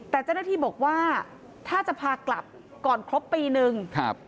แต่เจ้าหน้าที่บอกว่าถ้าจะพากลับก่อนครบปีนึงครับ